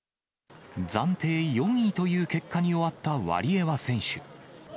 暫定４位という結果に終わったワリエワ選手。